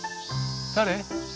誰？